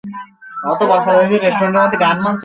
তোমার পুত্র এই সকল প্রাণী থেকে একটি খরগোশ ভক্ষণ করেছে।